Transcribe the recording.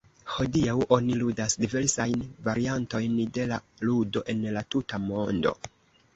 Hodiaŭ oni ludas diversajn variantojn de la ludo en la tuta mondo.